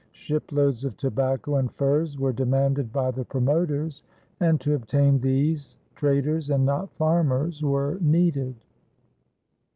Shiploads of tobacco and furs were demanded by the promoters, and to obtain these traders and not farmers were needed.